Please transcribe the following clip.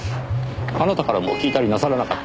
あなたからも聞いたりなさらなかった？